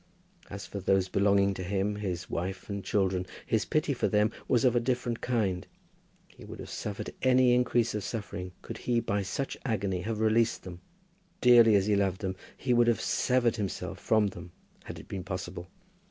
As for those belonging to him, his wife and children, his pity for them was of a different kind. He would have suffered any increase of suffering, could he by such agony have released them. Dearly as he loved them, he would have severed himself from them, had it been possible.